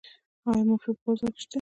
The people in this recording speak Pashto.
آیا مافیا په بازار کې شته؟